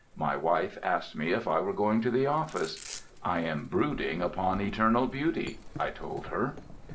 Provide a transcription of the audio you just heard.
My wife asked me if I was going to the office. "I am brooding upon eternal beauty," I told her.